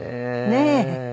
ねえ。